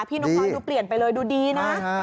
นกน้อยดูเปลี่ยนไปเลยดูดีนะ